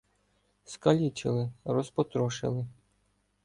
Скалічили, розпотрошили